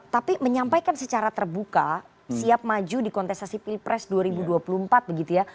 tapi menyampaikan secara terbuka siap maju di kontestasi pilpres dua ribu dua puluh empat begitu ya